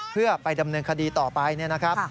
เพื่อไปดำเนินคดีต่อไปเนี่ยนะครับ